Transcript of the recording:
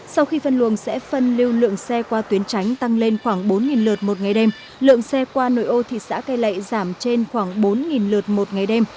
sau khi phân luồng sẽ phân lưu lượng xe qua tuyến tránh tăng lên khoảng bốn lượt một ngày đêm lượng xe qua nội ô thị xã cây lệ giảm trên khoảng bốn lượt một ngày đêm